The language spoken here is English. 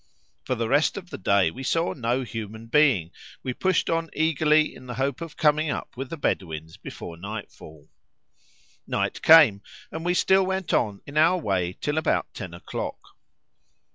For the rest of the day we saw no human being; we pushed on eagerly in the hope of coming up with the Bedouins before nightfall. Night came, and we still went on in our way till about ten o'clock.